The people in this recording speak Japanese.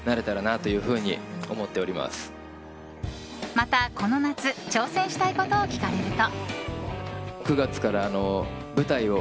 また、この夏挑戦したいことを聞かれると。